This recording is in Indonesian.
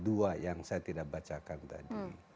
dua yang saya tidak bacakan tadi